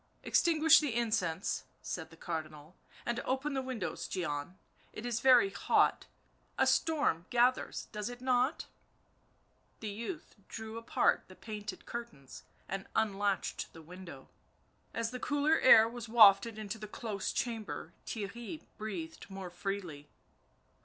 " Extinguish the incense / 7 said the Cardinal, "and open the windows, Gian ... it is very hot, a storm gathers, does it not V' The youth drew apart the painted curtains and unlatched the window; as the cooler air was wafted into the close chamber Theirry breathed more freely.